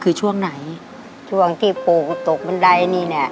คือช่วงไหนช่วงที่ปู่ตกบันไดนี่เนี่ย